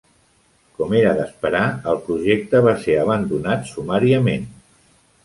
Com era d'esperar, el projecte va ser abandonat sumàriament.